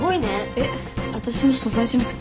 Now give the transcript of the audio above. えっ私の素材じゃなくて？